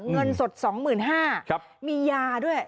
เงินสด๒๕๐๐บาทมียาด้วย